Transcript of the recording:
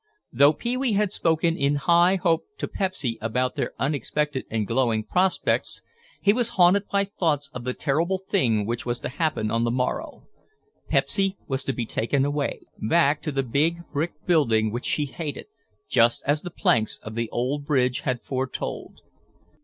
Though Pee wee had spoken in high hope to Pepsy about their unexpected and glowing prospects, he was haunted by thoughts of the terrible thing which was to happen on the morrow. Pepsy was to be taken away, back to the big brick building which she hated, just as the planks of the old bridge had foretold.